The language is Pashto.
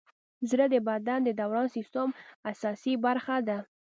زړه د بدن د دوران سیسټم اساسي برخه ده.